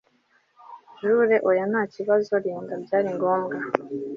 Jule oya ntakibazo Linda byari ngombwa